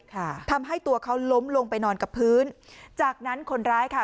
ค่ะทำให้ตัวเขาล้มลงไปนอนกับพื้นจากนั้นคนร้ายค่ะ